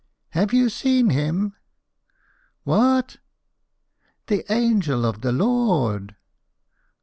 "Have you seen him?" "Wha a a t?" "The angel of the Lo o ord!"